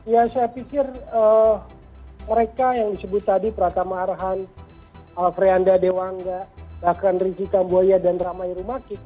ya saya pikir mereka yang disebut tadi pratama arhan alfreanda dewangga bahkan rizik kambuaya dan ramai rumakik